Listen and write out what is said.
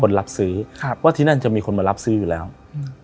รับซื้อครับว่าที่นั่นจะมีคนมารับซื้ออยู่แล้วอืม